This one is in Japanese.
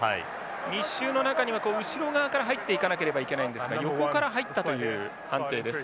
密集の中には後ろ側から入っていかなければいけないんですが横から入ったという判定です。